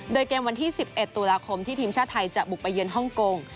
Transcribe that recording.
โดยเกมวันที่๑๑ตุลาคมที่ทีมชาติไทยจะบุกไปเยือนฮ่องกง